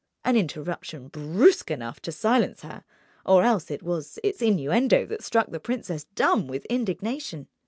An interruption brusque enough to silence her; or else it was its innuendo that struck the princess dumb with indignation.